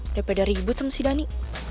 daripada ribet sama si dani